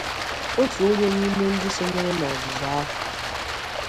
otu onye n'ime ndị sonyere n'ọzụzụ ahụ